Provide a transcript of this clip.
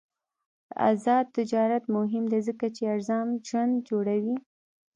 آزاد تجارت مهم دی ځکه چې ارزان ژوند جوړوي.